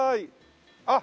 あっ！